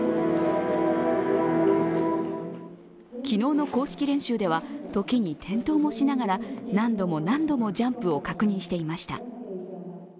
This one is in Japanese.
昨日の公式練習ではときに転倒もしながら何度も何度もジャンプを確認していました。